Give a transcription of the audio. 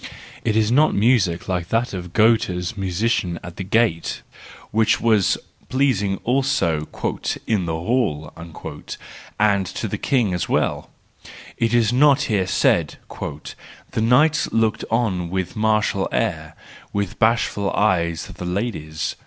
It is not music like that of Goethe's musician at the gate, which was pleasing also "in the hall/ 1 and to the king as well; it is not here said: " The knights looked on with martial air; with bashful eyes the ladies."